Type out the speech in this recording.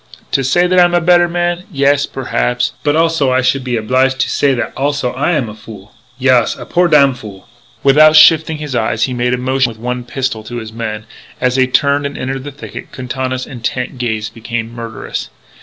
To say that I am a better man? Yes, perhaps. But also I should be oblige to say that also I am a fool. Yaas! A poor damfool." Without shifting his eyes he made a motion with one pistol to his men. As they turned and entered the thicket, Quintana's intent gaze became murderous.